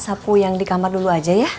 sapu yang di kamar dulu aja ya